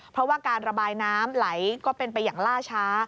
เพราะว่าการระบายน้ำไหลก็เป็นไปอย่างล่าช้า